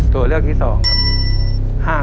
ตัวเลือกที่๒ครับ